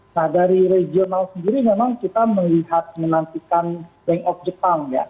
nah dari regional sendiri memang kita melihat menantikan bank of jepang ya